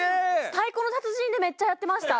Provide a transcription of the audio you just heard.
『太鼓の達人』でめっちゃやってました。